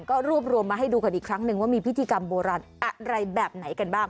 ก็รวบรวมมาให้ดูกันอีกครั้งหนึ่งว่ามีพิธีกรรมโบราณอะไรแบบไหนกันบ้าง